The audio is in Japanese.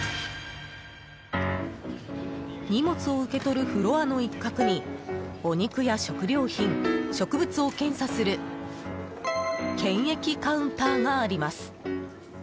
荷物を受け取るフロアの一角にお肉や食料品、植物を検査する検疫カウンターがあります。